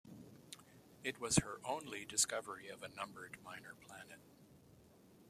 It was her only discovery of a numbered minor planet.